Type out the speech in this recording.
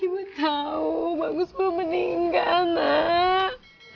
ibu tau bagus gue meninggal nak